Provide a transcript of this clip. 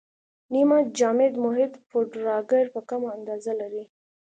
نیمه جامد محیط پوډراګر په کمه اندازه لري.